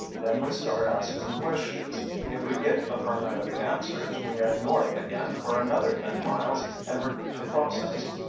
Then we start asking questions. If we get affirmative answers, we head north again for another ten miles and repeat the process.